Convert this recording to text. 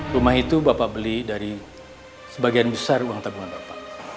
rumah itu bapak beli dari sebagian besar uang tabungan bapak